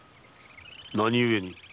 何故に？